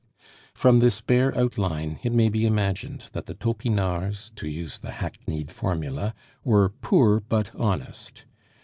From this bare outline, it may be imagined that the Topinards, to use the hackneyed formula, were "poor but honest."